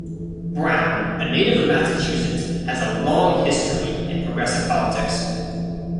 Brown, a native of Massachusetts, has a long history in progressive politics.